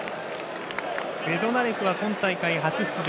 ベドナレクは今大会、初出場。